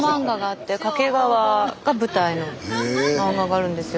スタジオ掛川が舞台の漫画があるんですよ。